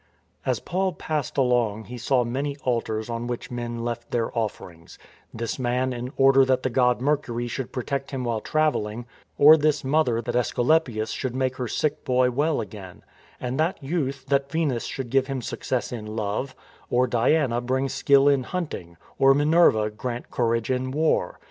As Paul passed along he saw many altars on which 216 STORM AND STRESS men left their offerings; this man in order that the god Mercury should protect him while travelling, or this mother that ^sculapius should make her sick boy well again; and that youth that Venus should give him success in love, or Diana bring skill in hunting, or Minerva grant courage in war.